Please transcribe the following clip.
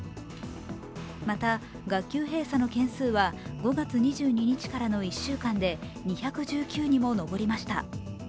また学級閉鎖の件数は５月２２日からの１週間で２１９にも上りました。